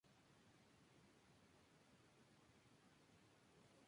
La falsificación de la moneda era desenfrenada.